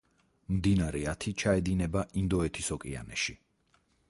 მდინარე ათი ჩაედინება ინდოეთის ოკეანეში.